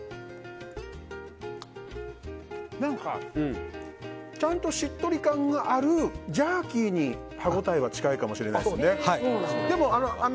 何か、ちゃんとしっとり感があるジャーキーに歯応えが近いかもしれない。